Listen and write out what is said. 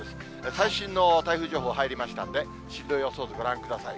最新の台風情報入りましたので、進路予想図ご覧ください。